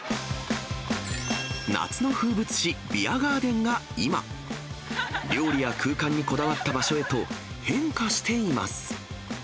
夏の風物詩、ビアガーデンが今、料理や空間にこだわった場所へと変化しています。